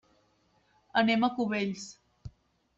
Anem a Cubells.